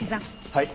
はい。